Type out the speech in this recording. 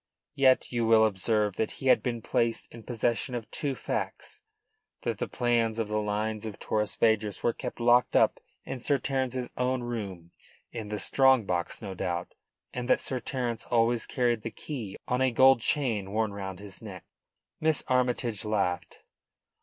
Yet you will observe that he had been placed in possession of two facts: that the plans of the lines of Torres Vedras were kept locked up in Sir Terence's own room in the strong box, no doubt and that Sir Terence always carried the key on a gold chain worn round his neck. Miss Armytage laughed.